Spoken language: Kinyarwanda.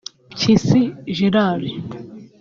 Mpyisi Gerard